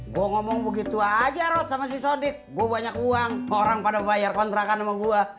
gue ngomong begitu aja rod sama si sodik gue banyak uang orang pada bayar kontrakan sama gue